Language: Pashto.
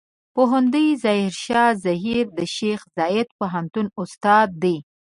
پوهندوی ظاهر شاه زهير د شیخ زايد پوهنتون استاد دی.